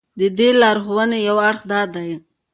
د دې لارښوونې یو اړخ دا دی.